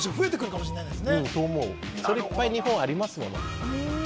それはいっぱい日本ありますよ。